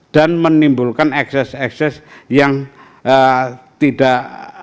dan menimbulkan ekses ekses yang tidak